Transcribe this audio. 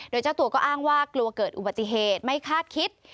โดยเจ้าตัวก็อ้างว่ากลัวเกิดอุบัติเหตุไม่คาดคิด